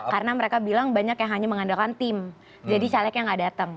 karena mereka bilang banyak yang hanya mengandalkan tim jadi calegnya nggak datang